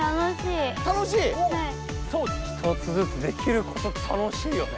一つずつできることって楽しいよね。